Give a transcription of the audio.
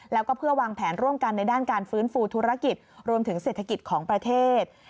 แล้วก็เพื่อวางแผนร่วมกันในด้านการฟื้นฟูธุรกิจรวมถึงเศรษฐกิจของประเทศ